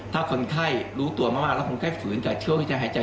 ถ้าคนไข้รู้ตัวมากแล้วคนไข้ฝืนกับเครื่องหายใจ